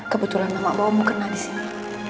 kebetulan mama bawa mu kena di sini